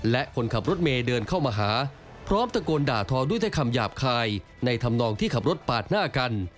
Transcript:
และคนขับรถเมย์เดินเข้ามาหาพร้อมตะโกนด่าทอด้วยคำหยาบคายในธรรมนองที่ขับรถปาดหน้ากัน